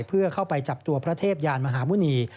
เพื่อเข้าไปจับตัวพระเทพยานมหาหมุณี